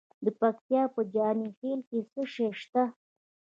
د پکتیا په جاني خیل کې څه شی شته؟